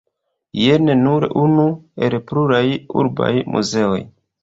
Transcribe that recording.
Jen nur unu el pluraj urbaj muzeoj.